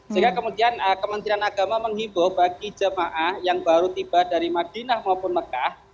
sehingga kemudian kementerian agama menghibur bagi jemaah yang baru tiba dari madinah maupun mekah